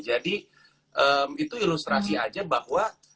jadi ehm itu ilustrasi aja bahwa